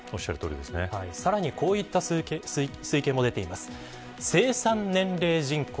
さらにこういった推計も出ています。